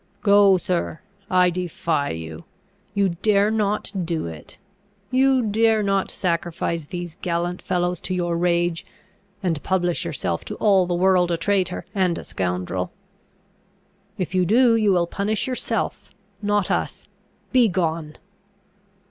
Go, sir! I defy you! You dare not do it! You dare not sacrifice these gallant fellows to your rage, and publish yourself to all the world a traitor and a scoundrel! If you do, you will punish yourself, not us! Begone!"